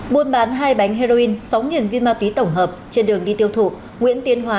buôn bán hai bánh heroin sáu viên ma túy tổng hợp trên đường đi tiêu thụ nguyễn tiến hóa